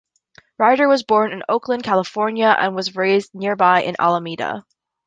Rider was born in Oakland, California, and was raised in nearby Alameda.